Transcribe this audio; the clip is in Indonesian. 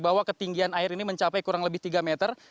bahwa ketinggian air ini mencapai kurang lebih tiga meter